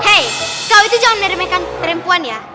hei kau itu jangan menermekan perempuan ya